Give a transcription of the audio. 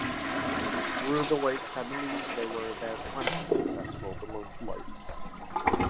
Through the late seventies, there were about twenty successful balloon flights.